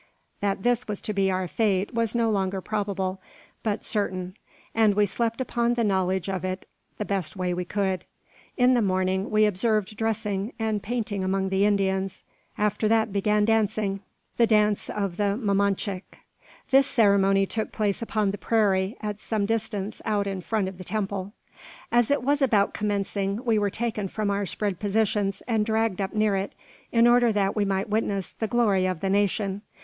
That this was to be our fate was no longer probable, but certain; and we slept upon the knowledge of it the best way we could. In the morning we observed dressing and painting among the Indians. After that began dancing, the dance of the mamanchic. This ceremony took place upon the prairie, at some distance out in front of the temple. As it was about commencing, we were taken from our spread positions and dragged up near it, in order that we might witness the "glory of the nation."